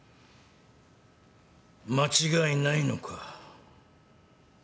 間違いないのか？